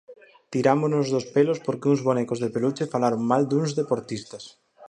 Tirámonos dos pelos porque uns bonecos de peluche falaron mal duns deportistas.